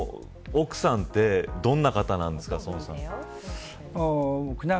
奥さんってどんな方なんですか。